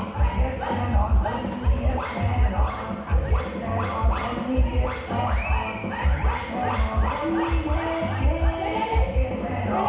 ใครทำอะไรดีบ้างสุดแซ่บ